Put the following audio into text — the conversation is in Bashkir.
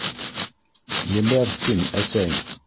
- Ебәр, тим, әсәй!